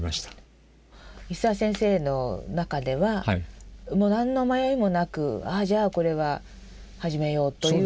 石澤先生の中では何の迷いもなくじゃあこれは始めようということ？